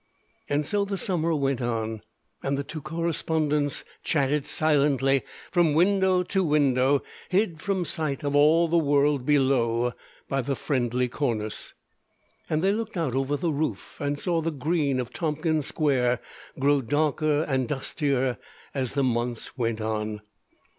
And so the summer went on, and the two correspondents chatted silently from window to window, hid from sight of all the world below by the friendly cornice. And they looked out over the roof and saw the green of Tompkins Square grow darker and dustier as the months went on.